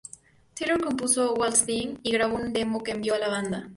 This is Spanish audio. Taylor compuso "Wild Thing" y grabó una demo que envió a la banda.